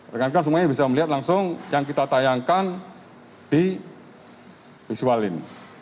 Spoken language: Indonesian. rekan rekan semuanya bisa melihat langsung yang kita tayangkan di visualin